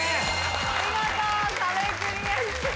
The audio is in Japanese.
見事壁クリアです。